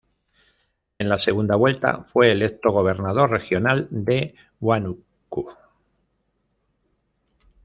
En la segunda vuelta fue electo gobernador regional de Huánuco.